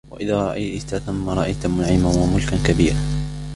وإذا رأيت ثم رأيت نعيما وملكا كبيرا